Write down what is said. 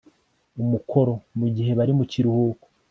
umukoro mugihe bari mukiruhuko